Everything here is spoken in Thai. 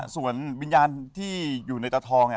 ส่วนวิญญาณที่อยู่ในตะทอง